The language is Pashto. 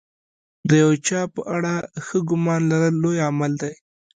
د یو چا په اړه ښه ګمان لرل لوی عمل دی.